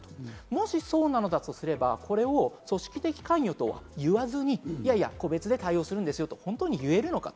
もしそうなのだとすれば、これを組織的関与と言わずに、いやいや個別で対応するんですよと本当に言えるのか。